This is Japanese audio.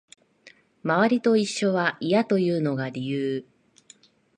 周りと一緒は嫌というのが理由